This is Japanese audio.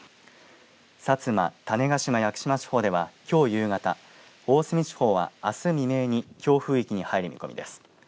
薩摩、種子島・屋久島地方ではきょう夕方、大隅地方はあす未明に強風域に入る見込みです。